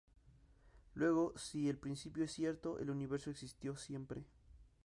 Luego, si el principio es cierto, el universo existió siempre.